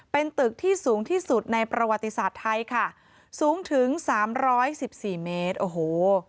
เป็นตึกที่สูงที่สุดในประวัติศาสตร์ไทยค่ะสูงถึงสามร้อยสิบสี่เมตรโอ้โห